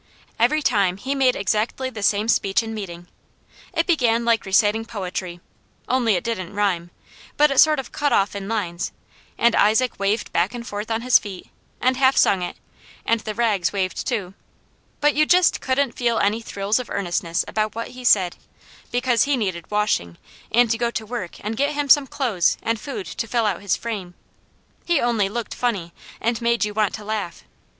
Every time he made exactly the same speech in meeting. It began like reciting poetry, only it didn't rhyme, but it sort of cut off in lines, and Isaac waved back and forth on his feet, and half sung it, and the rags waved too, but you just couldn't feel any thrills of earnestness about what he said, because he needed washing, and to go to work and get him some clothes and food to fill out his frame. He only looked funny, and made you want to laugh.